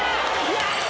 やった！